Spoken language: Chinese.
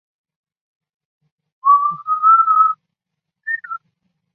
杨经文也有几项关于排风系统的专利在申请中。